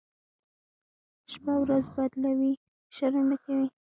شپه ورځ بدلوي، شرم نه کوي.